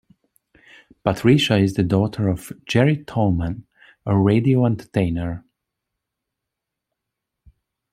Patricia is the daughter of Jerry Tallman, a radio entertainer.